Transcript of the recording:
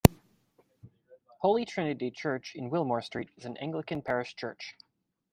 Holy Trinity Church, in Wilmore Street, is the Anglican parish church.